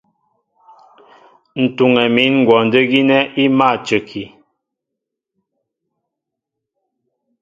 Ǹ tuŋɛ mín kwɔndə́ gínɛ́ í mâ a cəki.